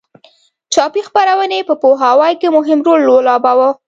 چاپي خپرونې په پوهاوي کې مهم رول ولوباوه.